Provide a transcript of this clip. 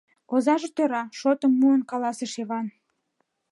— Озаже — тӧра, — шотым муын каласыш Йыван.